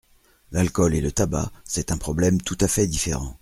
L’alcool et le tabac, c’est un problème tout à fait différent.